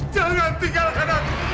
jangan tinggalkan aku